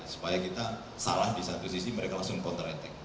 supaya kita salah di satu sisi mereka langsung counter attack